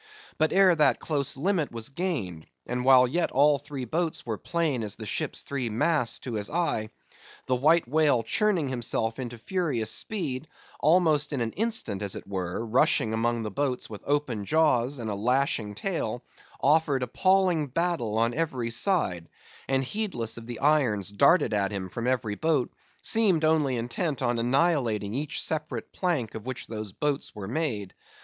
But ere that close limit was gained, and while yet all three boats were plain as the ship's three masts to his eye; the White Whale churning himself into furious speed, almost in an instant as it were, rushing among the boats with open jaws, and a lashing tail, offered appalling battle on every side; and heedless of the irons darted at him from every boat, seemed only intent on annihilating each separate plank of which those boats were made.